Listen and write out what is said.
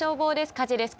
火事ですか？